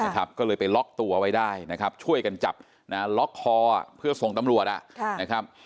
ก็เลยไปล็อกตัวไว้ได้นะครับช่วยกันจับล็อกคอเพื่อส่งตำรวจนะครับ